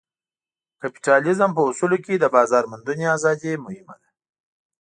کپیټالیزم په اصولو کې د بازار موندنې ازادي مهمه ده.